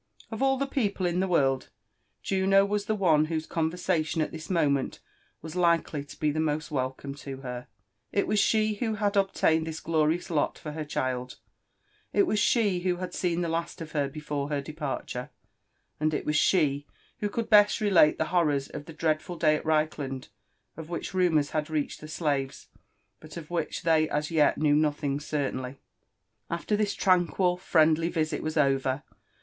Of aU the people in (he world, Jutio was the one whose conversation at this mo ment was likely to be the most welcome to her. It was she who had obtained this glorious lot for her child ; it was she who had* seen the last of her before her departure ; and it was she who could best relate the horrors of fiie dreadful day at Reichland, of which rumours ^ad reached the slaves, but of which they tfS' yet knew nothing certainly, 23 » 816 LIFE AND ADVENTURES OF After this tranquil friendly visit was over.